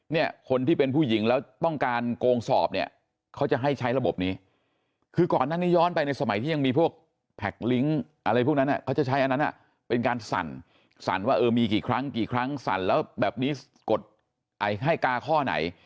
เนี่ยคนที่เป็นผู้หญิงแล้วต้องการโกงสอบเนี่ยเขาจะให้ใช้ระบบนี้คือก่อนหน้านี้ย้อนไปในสมัยที่ยังมีพวกแพคลิงก์อะไรพวกนั้นเขาจะใช้อันนั้นเป็นการสั่นสั่นว่าเออมีกี่ครั้งกี่ครั้งสั่นแล้วแบบนี้กดให้กาข้อไหน